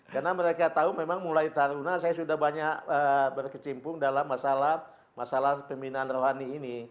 karena mereka tahu memang mulai taruna saya sudah banyak berkecimpung dalam masalah pembinaan rohani ini